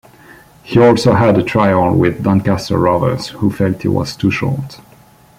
He also had a trial with Doncaster Rovers, who felt he was too short.